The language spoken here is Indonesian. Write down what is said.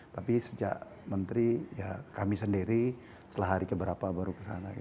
tapi sejak menteri ya kami sendiri setelah hari keberapa baru kesana